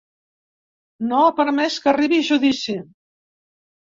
No ha permès que arribi a judici.